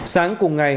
sáng cùng ngày